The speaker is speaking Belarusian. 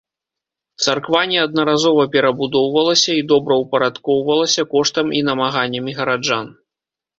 Царква неаднаразова перабудоўвалася і добраўпарадкоўвалася коштам і намаганнямі гараджан.